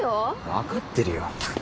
分かってるよ。